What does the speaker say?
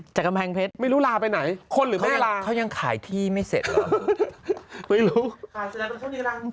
กำแพงเพชรไม่รู้ลาไปไหนคนหรือไม่ได้ลาเขายังขายที่ไม่เสร็จ